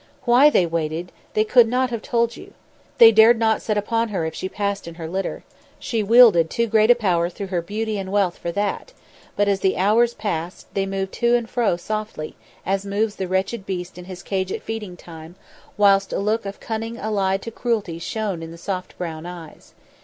Why they waited they could not have told you. They dared not set upon her if she passed in her litter; she wielded too great a power through her beauty and wealth for that; but as the hours passed, they moved softly to and fro, as moves the wretched beast in his cage at feeding time, whilst a look of cunning allied to cruelty shone in the soft brown eyes.